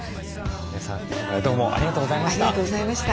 皆さん今回はどうもありがとうございました。